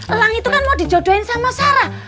elang itu kan mau dijodohin sama sarah